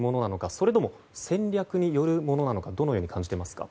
それとも、戦略によるものなのかどのように感じていますか？